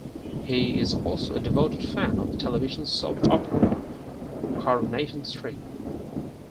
He is also a devoted fan of the television soap opera "Coronation Street".